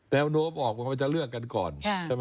แนวโน้มออกว่าจะเลือกกันก่อน